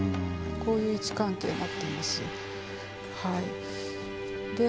こういう位置関係になっています。